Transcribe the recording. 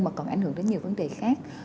mà còn ảnh hưởng đến nhiều vấn đề khác